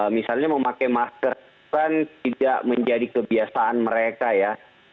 misalnya memakai masker kan tidak menjadi kebiasaan mereka ya